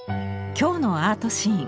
今日の「アートシーン」。